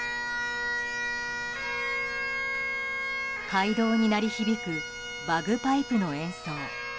会堂に鳴り響くバグパイプの演奏。